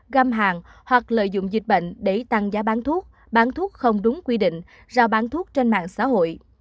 gam hạn hoặc lợi dụng dịch bệnh để tăng giá bán thuốc bán thuốc không đúng quy định rào bán thuốc trên mạng xã hội